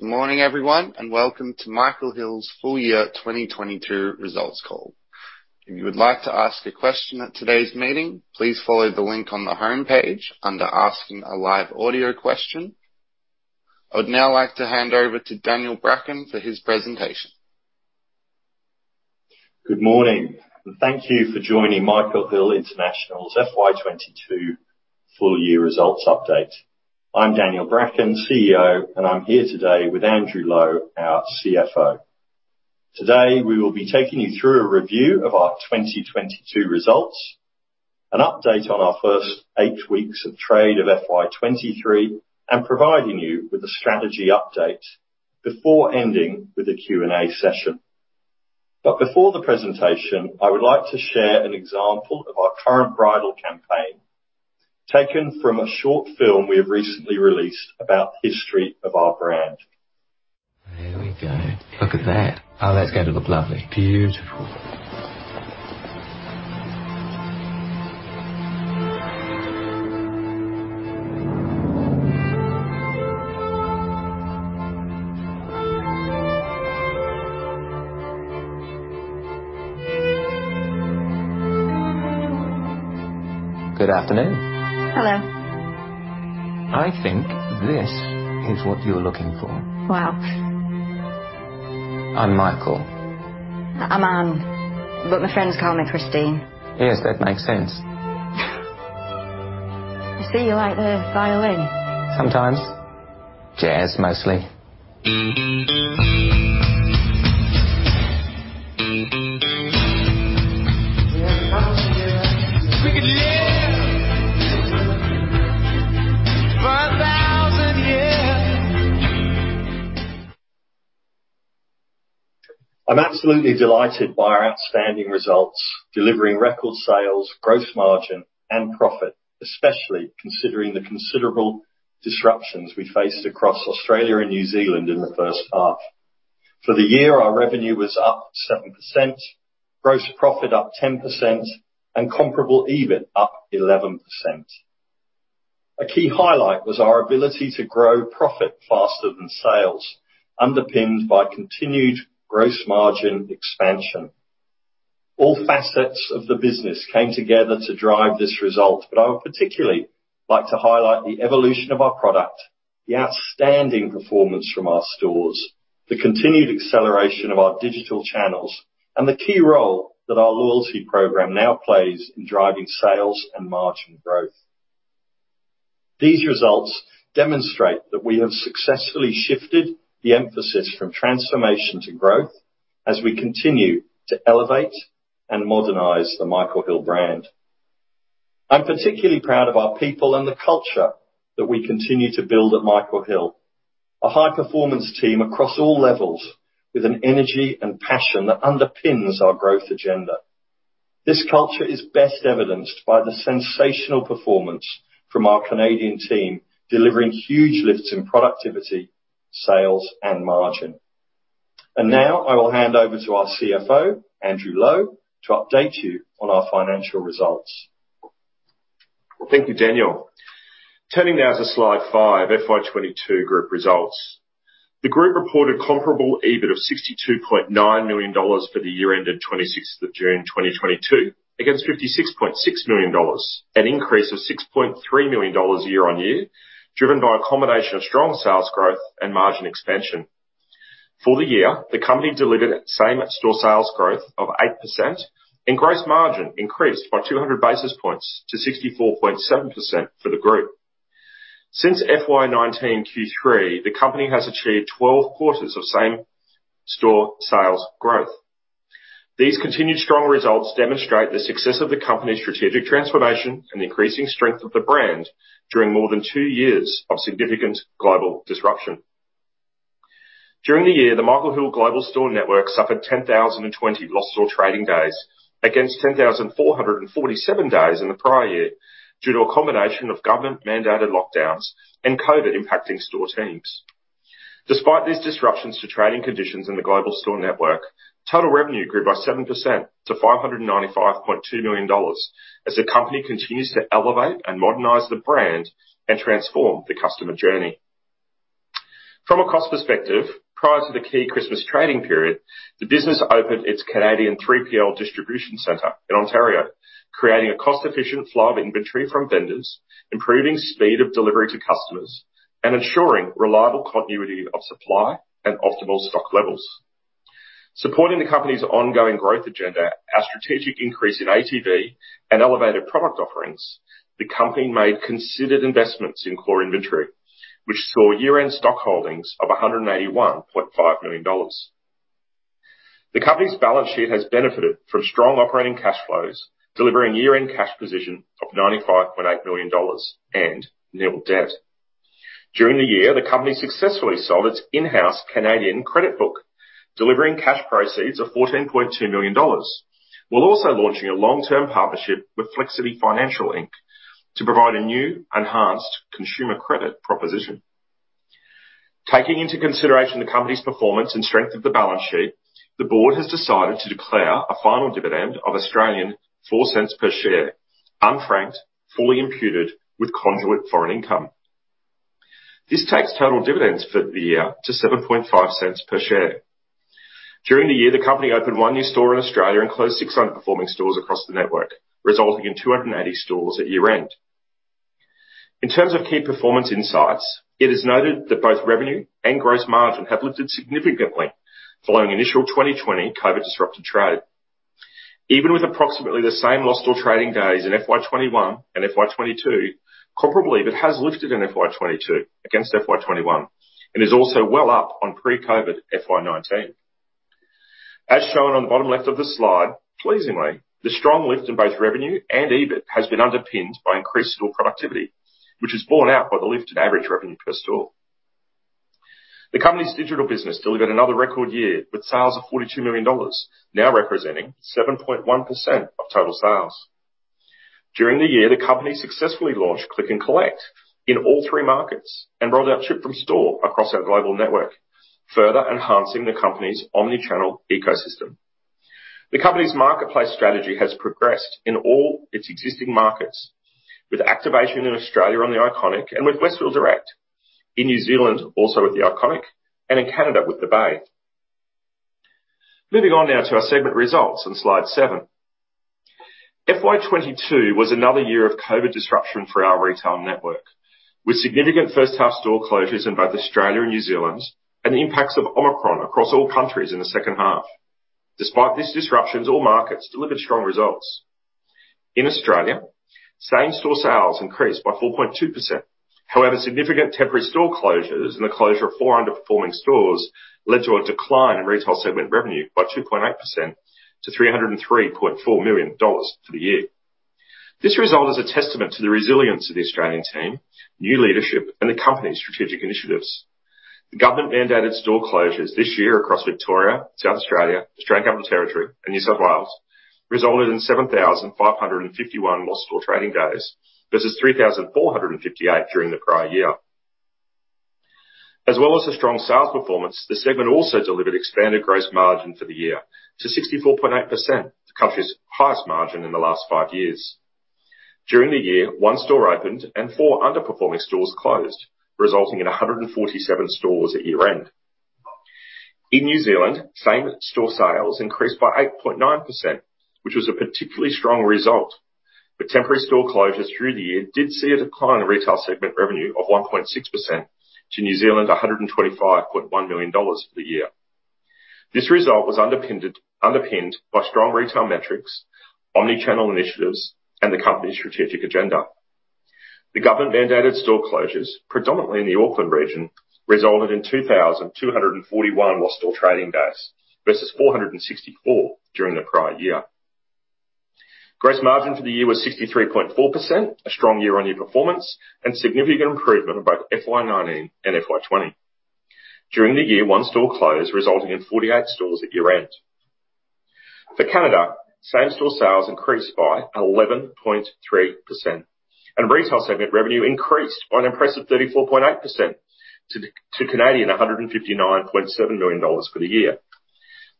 Good morning, everyone, and welcome to Michael Hill's full year 2022 results call. If you would like to ask a question at today's meeting, please follow the link on the homepage under Asking a Live Audio Question. I would now like to hand over to Daniel Bracken for his presentation. Good morning, and thank you for joining Michael Hill International's FY 2022 full year results update. I'm Daniel Bracken, CEO, and I'm here today with Andrew Lowe, our CFO. Today, we will be taking you through a review of our 2022 results, an update on our first eight weeks of trade of FY 2023, and providing you with a strategy update before ending with a Q&A session. Before the presentation, I would like to share an example of our current bridal campaign taken from a short film we have recently released about the history of our brand. I'm absolutely delighted by our outstanding results, delivering record sales, gross margin, and profit, especially considering the considerable disruptions we faced across Australia and New Zealand in the first half. For the year, our revenue was up 7%, gross profit up 10%, and comparable EBIT up 11%. A key highlight was our ability to grow profit faster than sales, underpinned by continued gross margin expansion. All facets of the business came together to drive this result, but I would particularly like to highlight the evolution of our product, the outstanding performance from our stores, the continued acceleration of our digital channels, and the key role that our loyalty program now plays in driving sales and margin growth. These results demonstrate that we have successfully shifted the emphasis from transformation to growth as we continue to elevate and modernize the Michael Hill brand. I'm particularly proud of our people and the culture that we continue to build at Michael Hill. A high-performance team across all levels with an energy and passion that underpins our growth agenda. This culture is best evidenced by the sensational performance from our Canadian team, delivering huge lifts in productivity, sales, and margin. Now I will hand over to our CFO, Andrew Lowe, to update you on our financial results. Thank you, Daniel. Turning now to slide five, FY 2022 group results. The group reported comparable EBIT of AUD 62.9 million for the year ended 26th of June 2022, against AUD 56.6 million. An increase of AUD 6.3 million year on year, driven by a combination of strong sales growth and margin expansion. For the year, the company delivered same store sales growth of 8% and gross margin increased by 200 basis points to 64.7% for the group. Since FY 2019, Q3, the company has achieved 12 quarters of same store sales growth. These continued strong results demonstrate the success of the company's strategic transformation and increasing strength of the brand during more than two years of significant global disruption. During the year, the Michael Hill global store network suffered 10,020 lost store trading days against 10,447 days in the prior year due to a combination of government-mandated lockdowns and COVID impacting store teams. Despite these disruptions to trading conditions in the global store network, total revenue grew by 7% to 595.2 million dollars as the company continues to elevate and modernize the brand and transform the customer journey. From a cost perspective, prior to the key Christmas trading period, the business opened its Canadian 3PL distribution center in Ontario, creating a cost-efficient flow of inventory from vendors, improving speed of delivery to customers, and ensuring reliable continuity of supply and optimal stock levels. Supporting the company's ongoing growth agenda, our strategic increase in ATV and elevated product offerings, the company made considered investments in core inventory, which saw year-end stock holdings of 181.5 million dollars. The company's balance sheet has benefited from strong operating cash flows, delivering year-end cash position of 95.8 million dollars and nil debt. During the year, the company successfully sold its in-house Canadian credit book, delivering cash proceeds of 14.2 million dollars, while also launching a long-term partnership with Flexiti Financial Inc. to provide a new enhanced consumer credit proposition. Taking into consideration the company's performance and strength of the balance sheet, the board has decided to declare a final dividend of 0.04 per share. Unfranked, fully imputed with conduit foreign income. This takes total dividends for the year to 0.075 per share. During the year, the company opened one new store in Australia and closed six underperforming stores across the network, resulting in 280 stores at year-end. In terms of key performance insights, it is noted that both revenue and gross margin have lifted significantly following initial 2020 COVID-disrupted trade. Even with approximately the same lost till trading days in FY 2021 and FY 2022, comparably, that has lifted in FY 2022 against FY 2021 and is also well up on pre-COVID FY 2019. As shown on the bottom left of the slide, pleasingly, the strong lift in both revenue and EBIT has been underpinned by increased store productivity, which is borne out by the lifted average revenue per store. The company's digital business delivered another record year with sales of 42 million dollars, now representing 7.1% of total sales. During the year, the company successfully launched Click and Collect in all three markets and rolled out Ship from Store across our global network, further enhancing the company's omni-channel ecosystem. The company's marketplace strategy has progressed in all its existing markets with activation in Australia on THE ICONIC and with Westfield Direct. In New Zealand, also with THE ICONIC and in Canada with The Bay. Moving on now to our segment results on slide 7. FY 2022 was another year of COVID disruption for our retail network, with significant first half store closures in both Australia and New Zealand and the impacts of Omicron across all countries in the second half. Despite these disruptions, all markets delivered strong results. In Australia, same-store sales increased by 4.2%. However, significant temporary store closures and the closure of four underperforming stores led to a decline in retail segment revenue by 2.8% to 303.4 million dollars for the year. This result is a testament to the resilience of the Australian team, new leadership, and the company's strategic initiatives. The government-mandated store closures this year across Victoria, South Australia, Australian Capital Territory, and New South Wales resulted in 7,551 lost store trading days versus 3,458 during the prior year. As well as a strong sales performance, the segment also delivered expanded gross margin for the year to 64.8%, the country's highest margin in the last five years. During the year, one store opened and four underperforming stores closed, resulting in 147 stores at year-end. In New Zealand, same-store sales increased by 8.9%, which was a particularly strong result. Temporary store closures through the year did see a decline in retail segment revenue of 1.6% to 125.1 million New Zealand dollars for the year. This result was underpinned by strong retail metrics, omni-channel initiatives, and the company's strategic agenda. The government-mandated store closures, predominantly in the Auckland region, resulted in 2,241 lost store trading days versus 464 during the prior year. Gross margin for the year was 63.4%, a strong year-on-year performance and significant improvement above FY 2019 and FY 2020. During the year, one store closed, resulting in 48 stores at year-end. For Canada, same-store sales increased by 11.3%, and retail segment revenue increased by an impressive 34.8% to 159.7 million Canadian dollars for the year.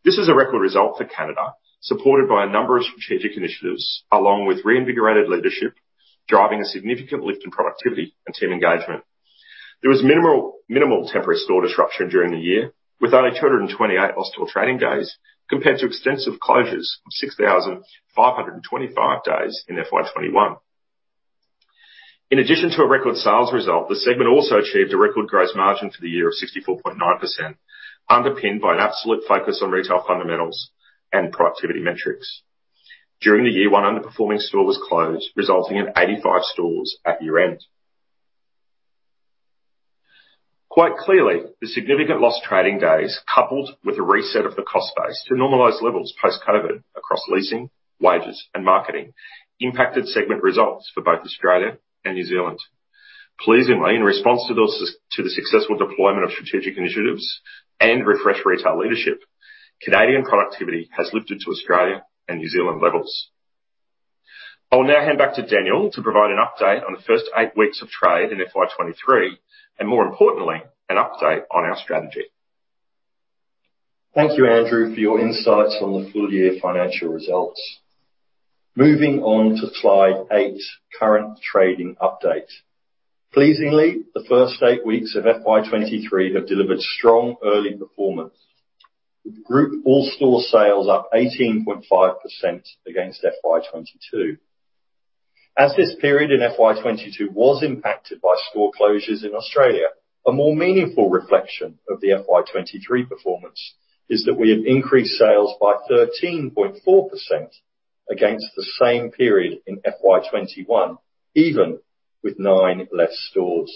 This is a record result for Canada, supported by a number of strategic initiatives along with reinvigorated leadership, driving a significant lift in productivity and team engagement. There was minimal temporary store disruption during the year, with only 228 lost store trading days compared to extensive closures of 6,525 days in FY 2021. In addition to a record sales result, the segment also achieved a record gross margin for the year of 64.9%, underpinned by an absolute focus on retail fundamentals and productivity metrics. During the year, one underperforming store was closed, resulting in 85 stores at year-end. Quite clearly, the significant lost trading days, coupled with a reset of the cost base to normalized levels post-COVID across leasing, wages, and marketing, impacted segment results for both Australia and New Zealand. Pleasingly, in response to the successful deployment of strategic initiatives and refreshed retail leadership, Canadian productivity has lifted to Australia and New Zealand levels. I'll now hand back to Daniel to provide an update on the first eight weeks of trade in FY 2023 and more importantly, an update on our strategy. Thank you, Andrew, for your insights on the full-year financial results. Moving on to slide eight, current trading update. Pleasingly, the first eight weeks of FY 2023 have delivered strong early performance. With group all store sales up 18.5% against FY 2022. As this period in FY 2022 was impacted by store closures in Australia, a more meaningful reflection of the FY 2023 performance is that we have increased sales by 13.4% against the same period in FY 2021, even with nine less stores.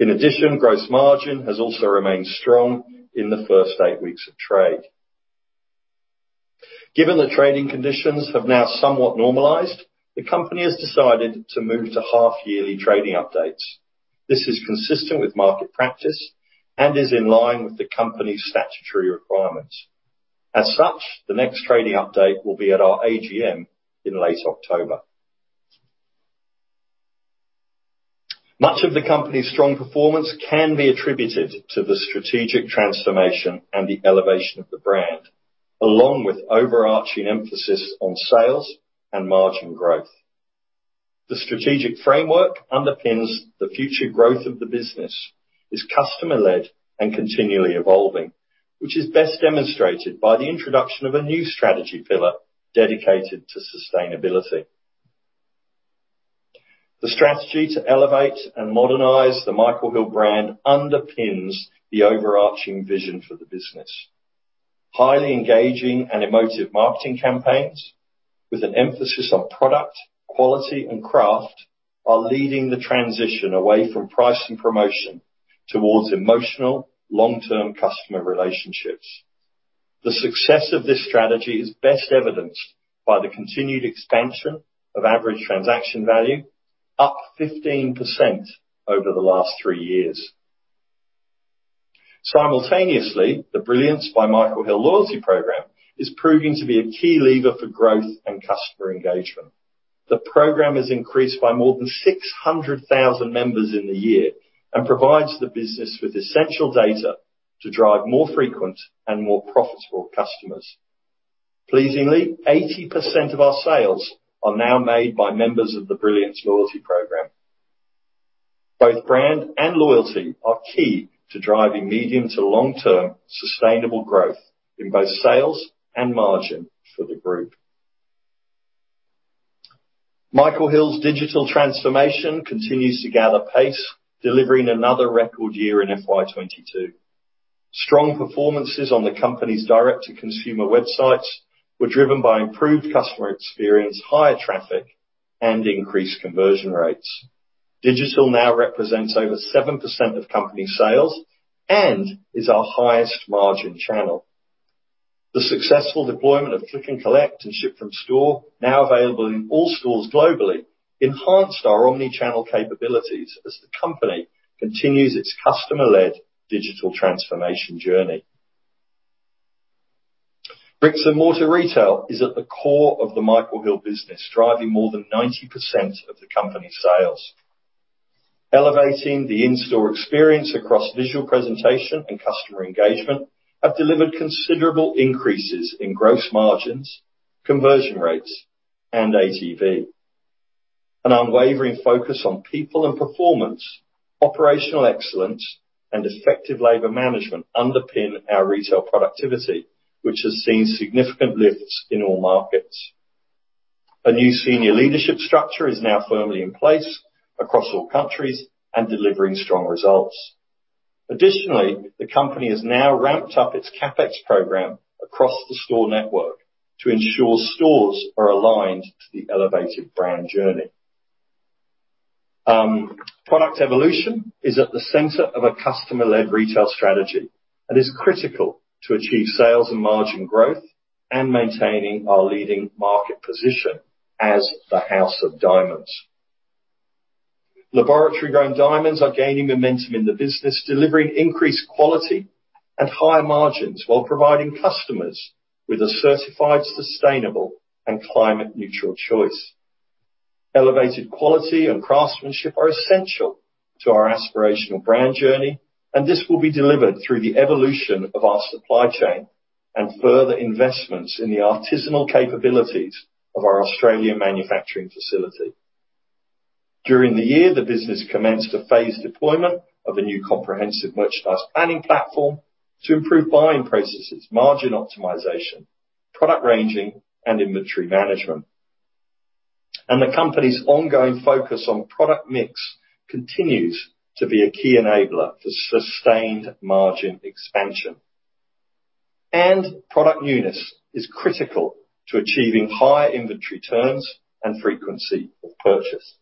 In addition, gross margin has also remained strong in the first eight weeks of trade. Given the trading conditions have now somewhat normalized, the company has decided to move to half-yearly trading updates. This is consistent with market practice and is in line with the company's statutory requirements. As such, the next trading update will be at our AGM in late October. Much of the company's strong performance can be attributed to the strategic transformation and the elevation of the brand, along with overarching emphasis on sales and margin growth. The strategic framework underpins the future growth of the business, is customer-led, and continually evolving, which is best demonstrated by the introduction of a new strategy pillar dedicated to sustainability. The strategy to elevate and modernize the Michael Hill brand underpins the overarching vision for the business. Highly engaging and emotive marketing campaigns with an emphasis on product, quality, and craft are leading the transition away from price and promotion towards emotional, long-term customer relationships. The success of this strategy is best evidenced by the continued expansion of average transaction value, up 15% over the last three years. Simultaneously, the Brilliance by Michael Hill loyalty program is proving to be a key lever for growth and customer engagement. The program has increased by more than 600,000 members in the year and provides the business with essential data to drive more frequent and more profitable customers. Pleasingly, 80% of our sales are now made by members of the Brilliance loyalty program. Both brand and loyalty are key to driving medium to long-term sustainable growth in both sales and margin for the group. Michael Hill's digital transformation continues to gather pace, delivering another record year in FY 2022. Strong performances on the company's direct-to-consumer websites were driven by improved customer experience, higher traffic, and increased conversion rates. Digital now represents over 7% of company sales and is our highest margin channel. The successful deployment of Click and Collect and Ship from Store, now available in all stores globally, enhanced our omni-channel capabilities as the company continues its customer-led digital transformation journey. Bricks and mortar retail is at the core of the Michael Hill business, driving more than 90% of the company's sales. Elevating the in-store experience across visual presentation and customer engagement have delivered considerable increases in gross margins, conversion rates, and ATV. An unwavering focus on people and performance, operational excellence, and effective labor management underpin our retail productivity, which has seen significant lifts in all markets. A new senior leadership structure is now firmly in place across all countries and delivering strong results. Additionally, the company has now ramped up its CapEx program across the store network to ensure stores are aligned to the elevated brand journey. Product evolution is at the center of a customer-led retail strategy and is critical to achieve sales and margin growth and maintaining our leading market position as the House of Diamonds. Laboratory-grown diamonds are gaining momentum in the business, delivering increased quality and higher margins while providing customers with a certified, sustainable, and climate neutral choice. Elevated quality and craftsmanship are essential to our aspirational brand journey, and this will be delivered through the evolution of our supply chain and further investments in the artisanal capabilities of our Australian manufacturing facility. During the year, the business commenced a phased deployment of a new comprehensive merchandise planning platform to improve buying processes, margin optimization, product ranging, and inventory management. The company's ongoing focus on product mix continues to be a key enabler for sustained margin expansion. Product newness is critical to achieving higher inventory turns and frequency of purchase.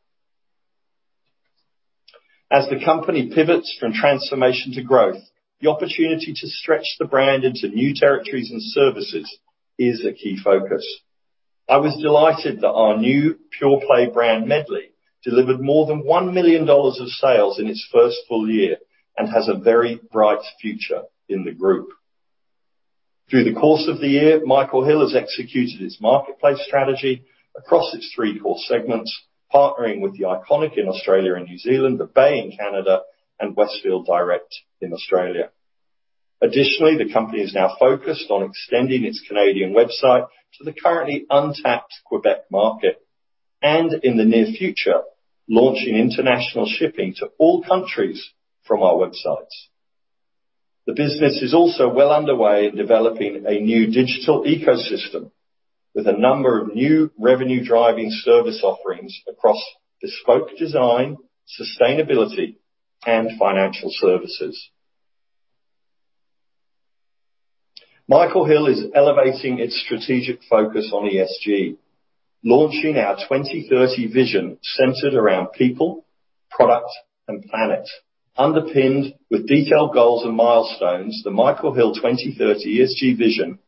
As the company pivots from transformation to growth, the opportunity to stretch the brand into new territories and services is a key focus. I was delighted that our new pure play brand, Medley, delivered more than 1 million dollars of sales in its first full year and has a very bright future in the group. Through the course of the year, Michael Hill has executed its marketplace strategy across its three core segments, partnering with THE ICONIC in Australia and New Zealand, The Bay in Canada, and Westfield Direct in Australia. Additionally, the company is now focused on extending its Canadian website to the currently untapped Quebec market, and in the near future, launching international shipping to all countries from our websites. The business is also well underway in developing a new digital ecosystem with a number of new revenue-driving service offerings across bespoke design, sustainability, and financial services. Michael Hill is elevating its strategic focus on ESG, launching our 2030 vision centered around people, product, and planet. Underpinned with detailed goals and milestones, the Michael Hill 2030 ESG vision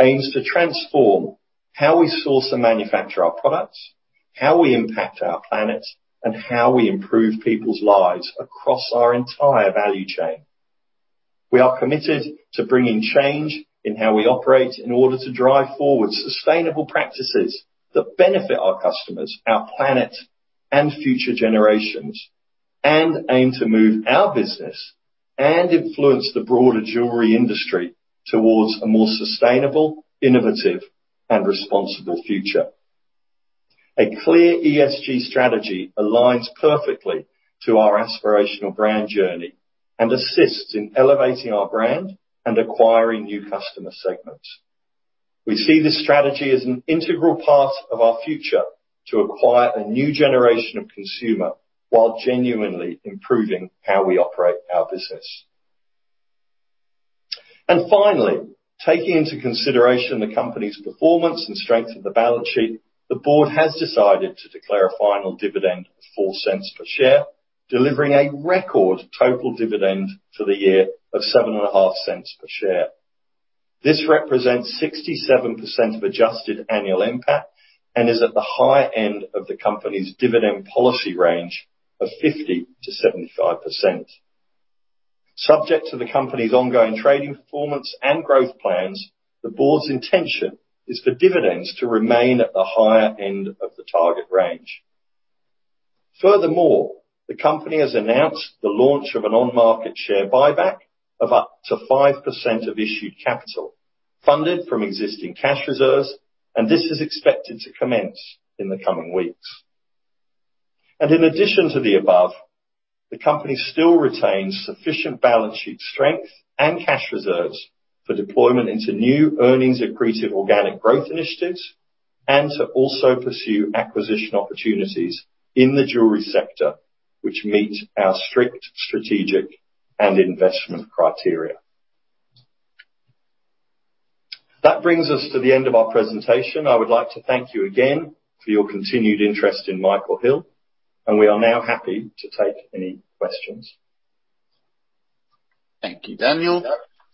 aims to transform how we source and manufacture our products, how we impact our planet, and how we improve people's lives across our entire value chain. We are committed to bringing change in how we operate in order to drive forward sustainable practices that benefit our customers, our planet, and future generations, and aim to move our business and influence the broader jewelry industry towards a more sustainable, innovative, and responsible future. A clear ESG strategy aligns perfectly to our aspirational brand journey and assists in elevating our brand and acquiring new customer segments. We see this strategy as an integral part of our future to acquire a new generation of consumer while genuinely improving how we operate our business. Finally, taking into consideration the company's performance and strength of the balance sheet, the board has decided to declare a final dividend of 0.04 per share, delivering a record total dividend for the year of 0.075 per share. This represents 67% of adjusted annual impact and is at the high end of the company's dividend policy range of 50%-75%. Subject to the company's ongoing trading performance and growth plans, the board's intention is for dividends to remain at the higher end of the target range. Furthermore, the company has announced the launch of an on-market share buyback of up to 5% of issued capital, funded from existing cash reserves, and this is expected to commence in the coming weeks. In addition to the above, the company still retains sufficient balance sheet strength and cash reserves for deployment into new earnings accretive organic growth initiatives and to also pursue acquisition opportunities in the jewelry sector which meet our strict strategic and investment criteria. That brings us to the end of our presentation. I would like to thank you again for your continued interest in Michael Hill, and we are now happy to take any questions. Thank you, Daniel.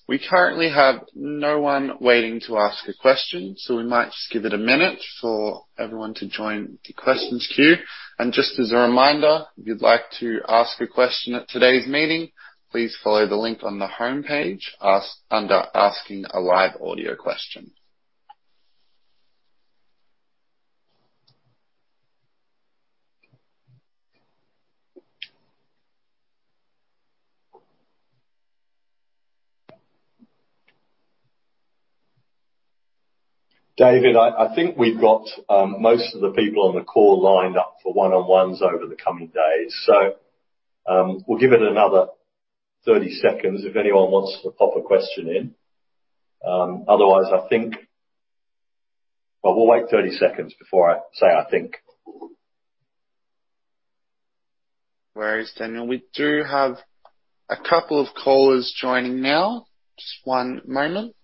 We currently have no one waiting to ask a question, so we might just give it a minute for everyone to join the questions queue. Just as a reminder, if you'd like to ask a question at today's meeting, please follow the link on the homepage, ask under asking a live audio question. David, I think we've got most of the people on the call lined up for one-on-ones over the coming days. We'll give it another 30 seconds if anyone wants to pop a question in. We'll wait 30 seconds before I say I think. Whereas, Daniel, we do have a couple of callers joining now. Just one moment.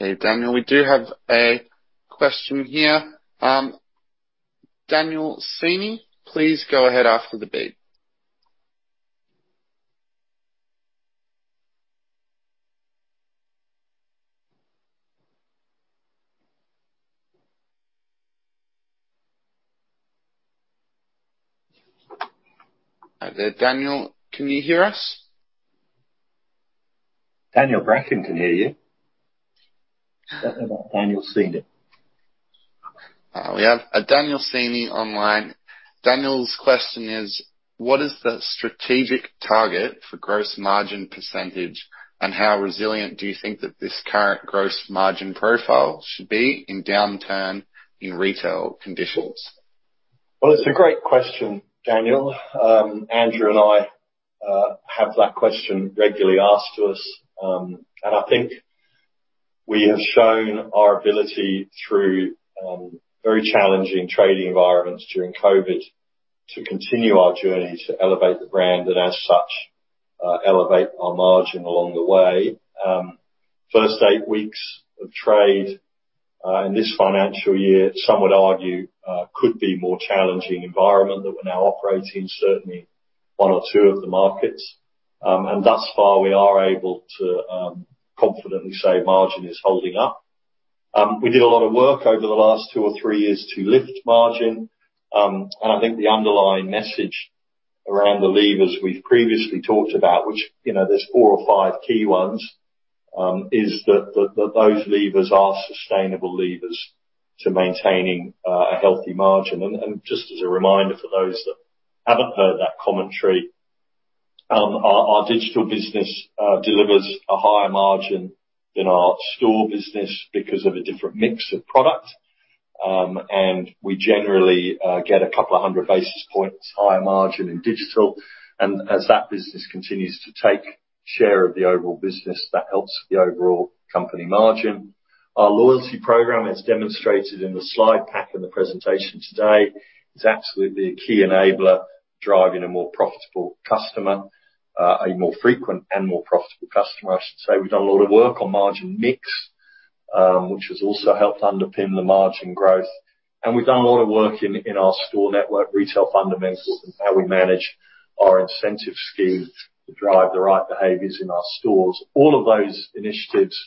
Okay, Daniel, we do have a question here. Daniel Cini, please go ahead after the beep. Hi there, Daniel, can you hear us? Daniel Bracken can hear you. Don't know about Daniel Cini. We have a Daniel Cini online. Daniel's question is, what is the strategic target for gross margin percentage? How resilient do you think that this current gross margin profile should be in downturn in retail conditions? Well, it's a great question, Daniel. Andrew and I have that question regularly asked to us. I think we have shown our ability through very challenging trading environments during COVID to continue our journey to elevate the brand and as such, elevate our margin along the way. First eight weeks of trade in this financial year, some would argue could be more challenging environment that we're now operating, certainly one or two of the markets. Thus far, we are able to confidently say margin is holding up. We did a lot of work over the last two or three years to lift margin. I think the underlying message around the levers we've previously talked about, which, you know, there's four or five key ones, is that those levers are sustainable levers to maintaining a healthy margin. Just as a reminder for those that haven't heard that commentary, our digital business delivers a higher margin than our store business because of a different mix of product. We generally get a couple of hundred basis points higher margin in digital. As that business continues to take share of the overall business, that helps the overall company margin. Our loyalty program, as demonstrated in the slide pack in the presentation today, is absolutely a key enabler, driving a more profitable customer, a more frequent and more profitable customer, I should say. We've done a lot of work on margin mix, which has also helped underpin the margin growth. We've done a lot of work in our store network, retail fundamentals, and how we manage our incentive scheme to drive the right behaviors in our stores. All of those initiatives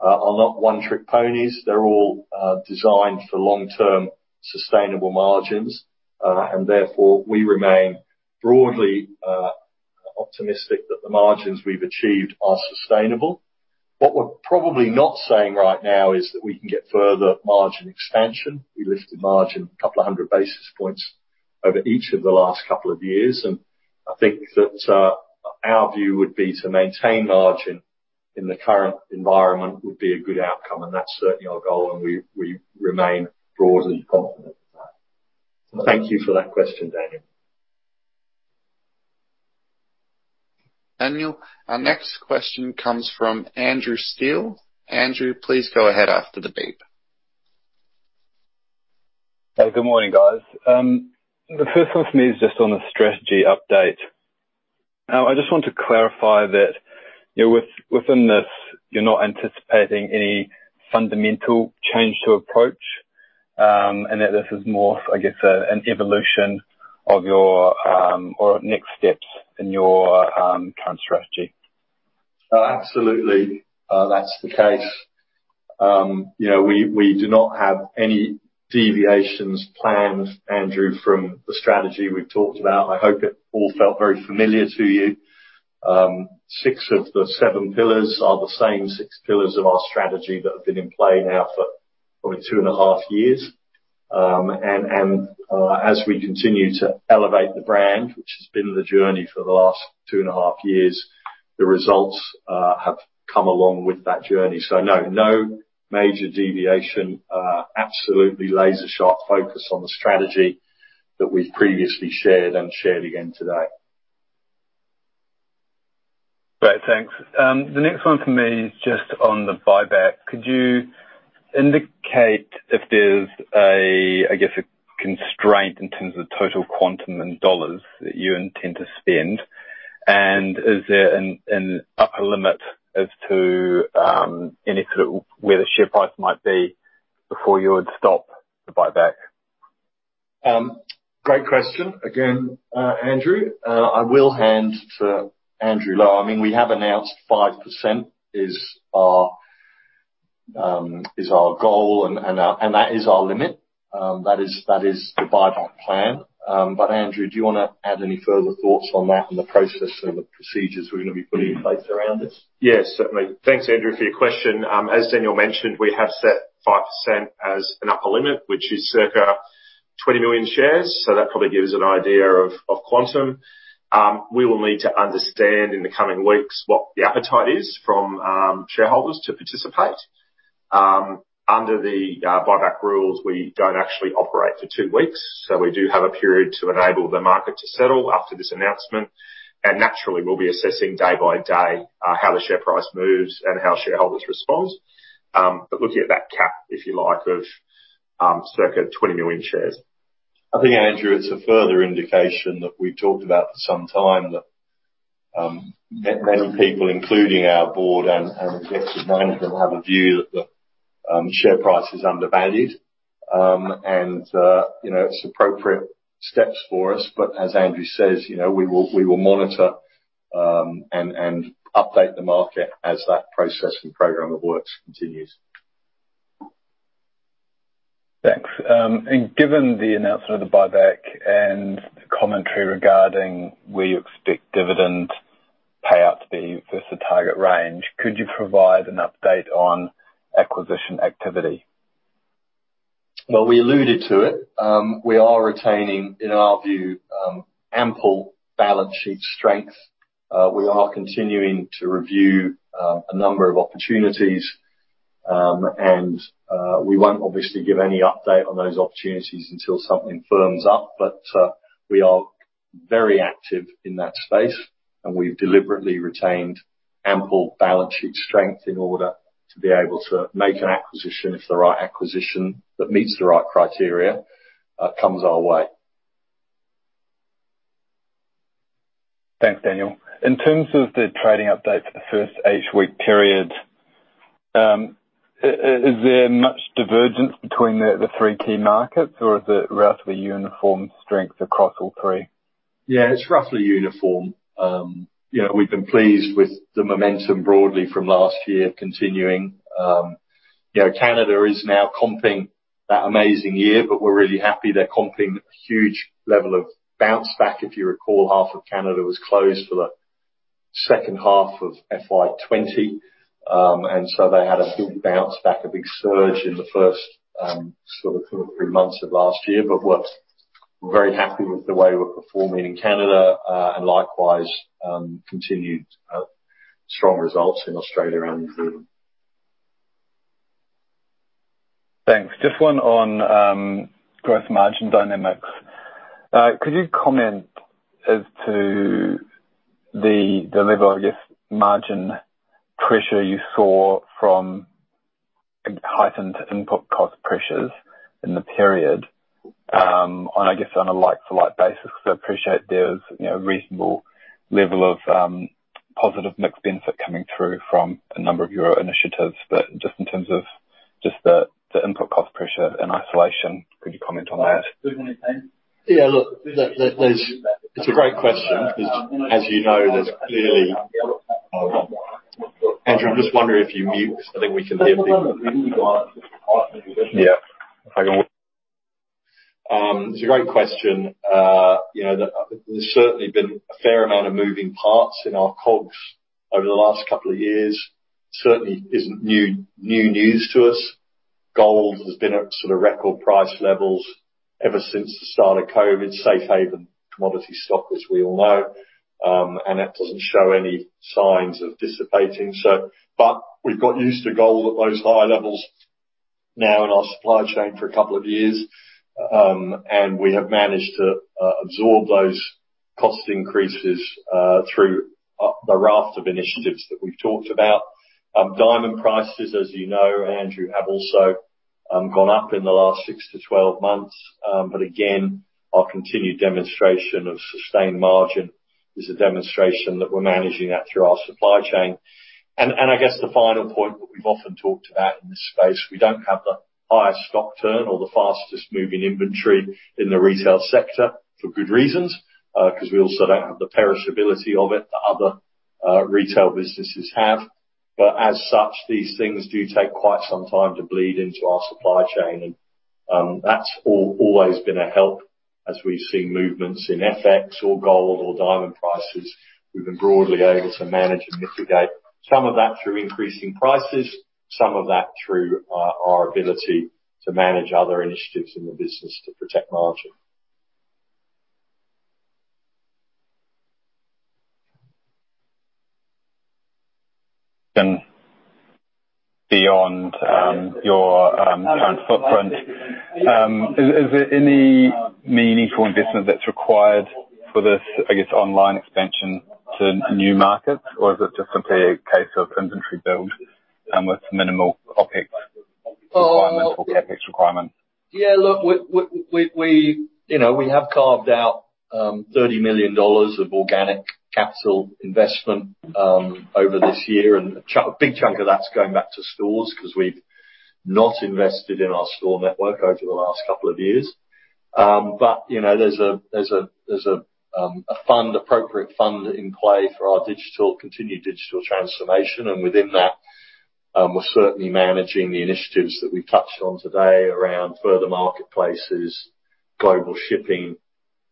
are not one-trick ponies. They're all designed for long-term sustainable margins. We remain broadly optimistic that the margins we've achieved are sustainable. What we're probably not saying right now is that we can get further margin expansion. We lifted margin a couple of hundred basis points over each of the last couple of years. I think that our view would be to maintain margin in the current environment would be a good outcome, and that's certainly our goal, and we remain broadly confident in that. Thank you for that question, Daniel. Daniel, our next question comes from Andrew Steele. Andrew, please go ahead after the beep. Good morning, guys. The first one for me is just on a strategy update. I just want to clarify that, you know, within this, you're not anticipating any fundamental change to approach, and that this is more, I guess, an evolution of your, or next steps in your, current strategy. Absolutely, that's the case. You know, we do not have any deviations planned, Andrew, from the strategy we've talked about. I hope it all felt very familiar to you. Six of the seven pillars are the same six pillars of our strategy that have been in play now for probably two and a half years. As we continue to elevate the brand, which has been the journey for the last two and a half years, the results have come along with that journey. No major deviation. Absolutely laser-sharp focus on the strategy that we've previously shared and shared again today. Great. Thanks. The next one for me is just on the buyback. Could you indicate if there's a, I guess, a constraint in terms of total quantum and dollars that you intend to spend? Is there an upper limit as to any sort of where the share price might be before you would stop the buyback? Great question again, Andrew. I will hand to Andrew Lowe. I mean, we have announced 5% is our goal and that is our limit. That is the buyback plan. Andrew, do you wanna add any further thoughts on that and the process and the procedures we're gonna be putting in place around this? Yes, certainly. Thanks, Andrew, for your question. As Daniel mentioned, we have set 5% as an upper limit, which is circa 20 million shares, so that probably gives an idea of quantum. We will need to understand in the coming weeks what the appetite is from shareholders to participate. Under the buyback rules, we don't actually operate for two weeks, so we do have a period to enable the market to settle after this announcement. Naturally, we'll be assessing day by day how the share price moves and how shareholders respond. But looking at that cap, if you like, of circa 20 million shares. I think, Andrew, it's a further indication that we talked about for some time that many people, including our board and executive management, have a view that the share price is undervalued. You know, it's appropriate steps for us. As Andrew says, you know, we will monitor and update the market as that process and program of works continues. Thanks. Given the announcement of the buyback and the commentary regarding where you expect dividend payout to be versus the target range, could you provide an update on acquisition activity? Well, we alluded to it. We are retaining, in our view, ample balance sheet strength. We are continuing to review a number of opportunities. We won't obviously give any update on those opportunities until something firms up. We are very active in that space, and we've deliberately retained ample balance sheet strength in order to be able to make an acquisition if the right acquisition that meets the right criteria comes our way. Thanks, Daniel. In terms of the trading update for the first eight-week period, is there much divergence between the three key markets, or is it roughly uniform strength across all three? Yeah, it's roughly uniform. You know, we've been pleased with the momentum broadly from last year continuing. You know, Canada is now comping that amazing year, but we're really happy they're comping a huge level of bounce back. If you recall, half of Canada was closed for the second half of FY 2020. They had a big bounce back, a big surge in the first sort of two or three months of last year. We're very happy with the way we're performing in Canada, and likewise continued strong results in Australia and New Zealand. Thanks. Just one on gross margin dynamics. Could you comment as to the level, I guess, margin pressure you saw from heightened input cost pressures in the period, on I guess on a like-for-like basis? Because I appreciate there's, you know, reasonable level of positive mix benefit coming through from a number of your initiatives. Just in terms of the input cost pressure in isolation, could you comment on that? Yeah. It's a great question because as you know. Andrew, I'm just wondering if you mute, so that we can hear people. Yeah. It's a great question. You know, there's certainly been a fair amount of moving parts in our costs over the last couple of years. Certainly isn't new news to us. Gold has been at sort of record price levels ever since the start of COVID. Safe haven, commodity stock, as we all know, and that doesn't show any signs of dissipating. We've got used to gold at those higher levels now in our supply chain for a couple of years. We have managed to absorb those cost increases through the raft of initiatives that we've talked about. Diamond prices, as you know, Andrew, have also gone up in the last six to twelve months. Again, our continued demonstration of sustained margin is a demonstration that we're managing that through our supply chain. I guess the final point that we've often talked about in this space, we don't have the highest stock turn or the fastest moving inventory in the retail sector for good reasons, 'cause we also don't have the perishability of it that other retail businesses have. As such, these things do take quite some time to bleed into our supply chain. That's always been a help as we see movements in FX or gold or diamond prices. We've been broadly able to manage and mitigate some of that through increasing prices, some of that through our ability to manage other initiatives in the business to protect margin. Beyond your current footprint, is there any meaningful investment that's required for this, I guess, online expansion to new markets? Or is it just simply a case of inventory build with minimal OpEx requirements or CapEx requirements? Yeah. Look, we have carved out 30 million dollars of organic capital investment over this year. A big chunk of that's going back to stores 'cause we've not invested in our store network over the last couple of years. There's an appropriate fund in play for our digital continued digital transformation. Within that, we're certainly managing the initiatives that we've touched on today around further marketplaces, global shipping,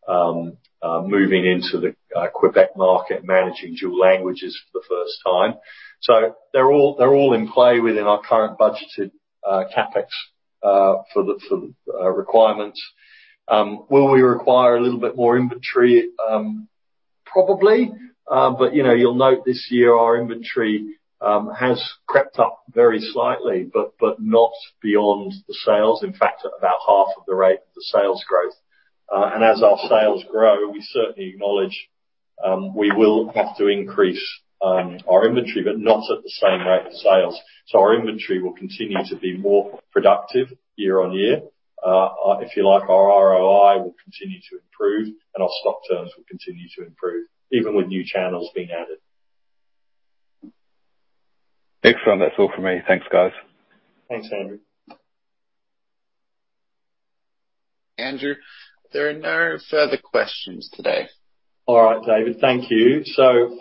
moving into the Quebec market, managing dual languages for the first time. They're all in play within our current budgeted CapEx for the requirements. Will we require a little bit more inventory? Probably. you know, you'll note this year our inventory has crept up very slightly, but not beyond the sales. In fact, at about half of the rate of the sales growth. As our sales grow, we certainly acknowledge we will have to increase our inventory, but not at the same rate of sales. Our inventory will continue to be more productive year-on-year. If you like, our ROI will continue to improve and our stock turns will continue to improve even with new channels being added. Excellent. That's all from me. Thanks, guys. Thanks, Andrew. Andrew, there are no further questions today. All right, David. Thank you.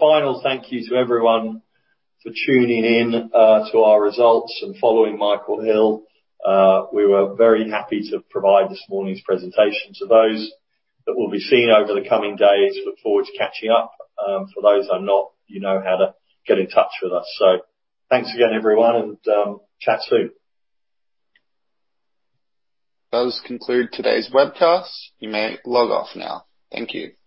Final thank you to everyone for tuning in to our results and following Michael Hill. We were very happy to provide this morning's presentation to those that we'll be seeing over the coming days. Look forward to catching up. For those that are not, you know how to get in touch with us. Thanks again everyone, and chat soon. That concludes today's webcast. You may log off now. Thank you.